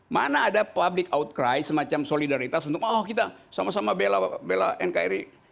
mana ada public outcry semacam solidaritas untuk oh kita sama sama bela nkri